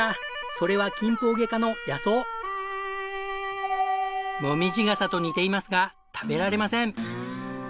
それはモミジガサと似ていますが食べられません。